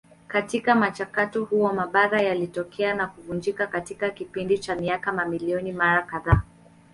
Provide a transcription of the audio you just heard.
Katika mchakato huo mabara yalitokea na kuvunjika katika kipindi cha miaka mamilioni mara kadhaa.